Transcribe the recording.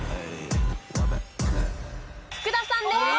福田さんです！